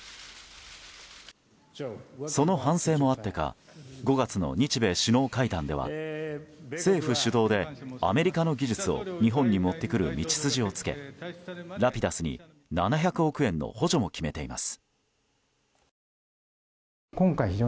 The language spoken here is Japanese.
その反省もあってか５月の日米首脳会談では政府主導でアメリカの技術を日本に持ってくる道筋をつけラピダスに７００億円の補助も決めています。